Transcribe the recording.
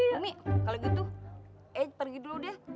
umi kalo gitu ayah pergi dulu deh